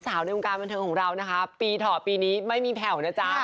ในวงการบันเทิงของเรานะคะปีถ่อปีนี้ไม่มีแผ่วนะจ๊ะ